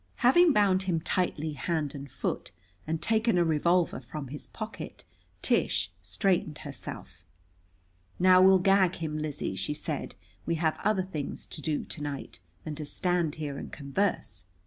Having bound him tightly, hand and foot, and taken a revolver from his pocket, Tish straightened herself. "Now we'll gag him, Lizzie," she said. "We have other things to do to night than to stand here and converse."